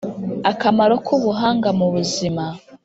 Akamaro k’ubuhanga mubuzima